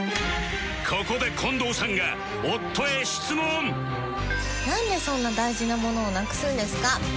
ここで近藤さんが夫へ質問なんでそんな大事なものをなくすんですか？